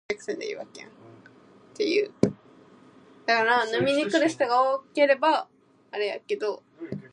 The head and tail are often turquoise.